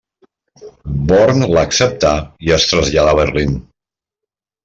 Born l'acceptà i es traslladà a Berlín.